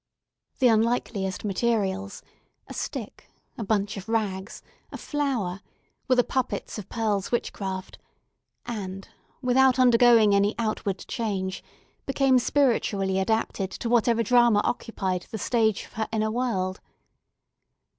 The unlikeliest materials—a stick, a bunch of rags, a flower—were the puppets of Pearl's witchcraft, and, without undergoing any outward change, became spiritually adapted to whatever drama occupied the stage of her inner world.